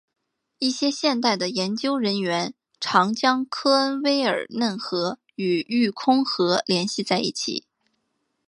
一些现代的研究人员常将科恩威尔嫩河与育空河联系在一起。